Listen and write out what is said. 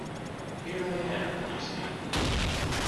Here I am, you see!